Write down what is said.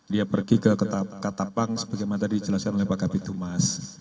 dia pergi ke katapang sebagaimana tadi dijelaskan oleh pak kapitumas